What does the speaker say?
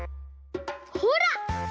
ほら！